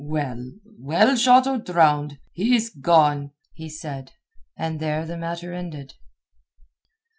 "Well, well—shot or drowned, he's gone," he said, and there the matter ended.